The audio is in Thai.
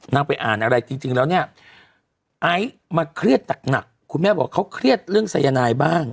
ไปอ่านอะไรจริงแล้วเนี่ยไอซ์มาเครียดหนักคุณแม่บอกเขาเครียดเรื่องสายนายบ้าง